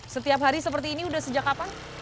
setiap hari seperti ini udah sejak kapan